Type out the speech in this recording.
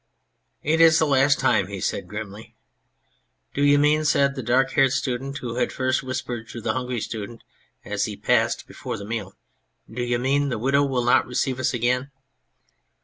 " It is the last time !" he said grimly. " Do you mean/' said the dark haired student who had first whispered to the Hungry Student as he passed, before the meal, " do you mean the Widow will not receive us again